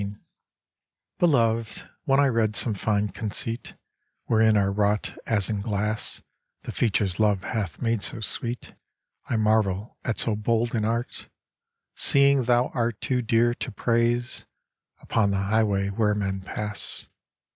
XVI Beloved, when I read some fine conceit, Wherein are wrought as in glass The features love hath made so sweet, I marvel at so bold an art; Seeing thou art too dear to praise Upon the highway where men pass.